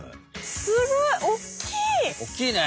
すごいおっきいね！